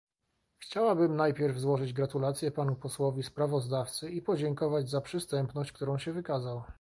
Chciałabym najpierw złożyć gratulacje panu posłowi sprawozdawcy i podziękować za przystępność, którą się wykazał